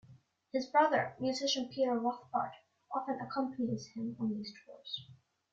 His brother, musician Peter Rothbart, often accompanies him on these tours.